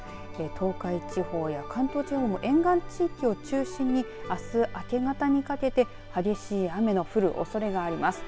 東海地方や関東地方も沿岸地域を中心にあす明け方にかけて激しい雨の降るおそれがあります。